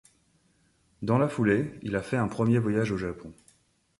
Dans la foulée, il fait un premier voyage au Japon.